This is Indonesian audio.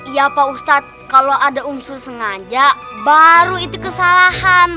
ya pak ustadz kalau ada unsur sengaja baru itu kesalahan